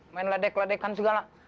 main ledek ledekan segala